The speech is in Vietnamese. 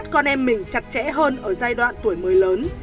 con em mình chặt chẽ hơn ở giai đoạn tuổi mới lớn